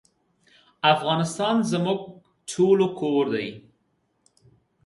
افغانستان زموږ ټولو کور دی